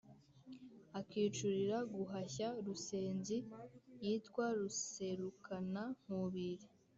akicurira guhashya rusenzi yitwa ruserukanankubiri